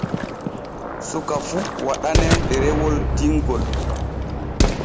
Suka fu waɗanee ɗerewol dinŋol.